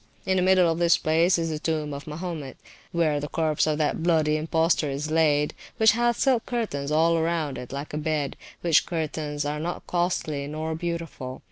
In the middle of this place is the tomb of Mahomet, where the corpse of that bloody impostor is laid, which hath silk curtains all around it like a bed; which curtains are not costly nor beautiful.